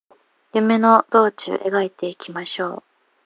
夢の中道描いていきましょう